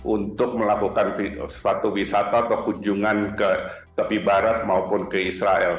untuk melakukan suatu wisata atau kunjungan ke tepi barat maupun ke israel